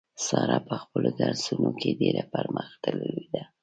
ساره په خپلو درسو نو کې ډېره پر مخ تللې ده.